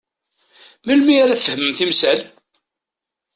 Melmi ara tfehmem timsal?